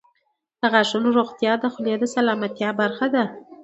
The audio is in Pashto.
• د غاښونو روغتیا د خولې د سلامتیا برخه ده.